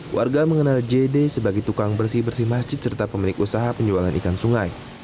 warga mengenal jd sebagai tukang bersih bersih masjid serta pemilik usaha penjualan ikan sungai